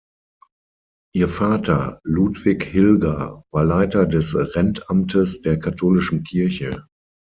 Ihr Vater, Ludwig Hilger, war Leiter des Rentamtes der Katholischen Kirche.